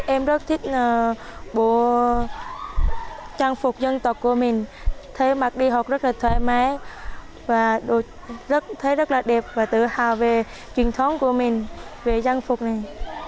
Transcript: em rất thích bộ trang phục dân tộc của mình thấy mặc đi học rất là thoải mái và thấy rất là đẹp và tự hào về truyền thống của mình về trang phục này